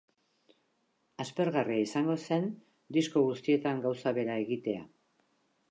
Aspergarria izango zen disko guztietan gauza bera egitea.